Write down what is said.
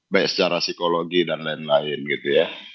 baik secara psikologi dan lain lain gitu ya